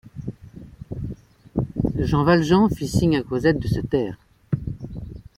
Jean Valjean fit signe à Cosette de se taire.